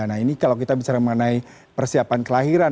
nah ini kalau kita bicara mengenai persiapan kelahiran